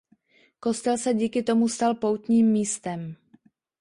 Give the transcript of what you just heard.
Kostel se díky tomu stal poutním místem.